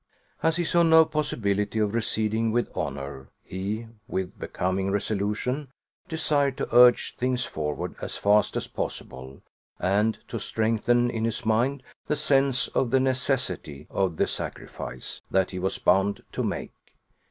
As he saw no possibility of receding with honour, he, with becoming resolution, desired to urge things forward as fast as possible, and to strengthen in his mind the sense of the necessity of the sacrifice that he was bound to make.